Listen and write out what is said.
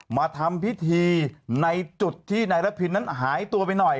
มาทำพิธีในจุดที่นายระพินนั้นหายตัวไปหน่อย